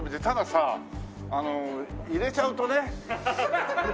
たださ入れちゃうとね。